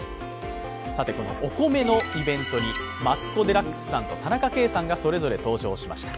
このお米のイベントに、マツコ・デラックスさんと田中圭さんが、それぞれ登場しました。